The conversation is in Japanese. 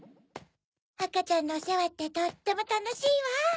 あかちゃんのおせわってとってもたのしいわ。